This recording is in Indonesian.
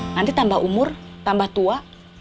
nanti tambah umur tambah tua